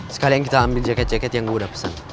sekalian kita ambil jaket jaket yang gue udah pesan